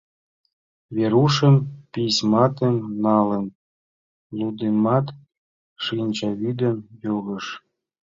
Верушем, письматым налын лудымат, шинчавӱдем йогыш.